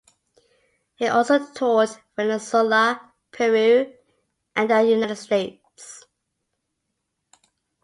He also toured Venezuela, Peru and the United States.